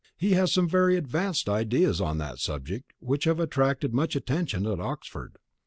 He has some very advanced ideas on that subject which have attracted much attention at Oxford.